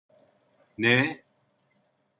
Neee!